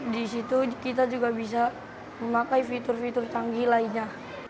di situ kita juga bisa memakai fitur fitur canggih lainnya